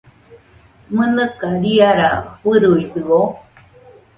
¿Mɨnɨka riara fɨruidɨo?